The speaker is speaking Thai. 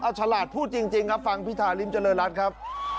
เอาฉลาดพูดจริงครับฟังพิธาริมเจริญรัฐครับ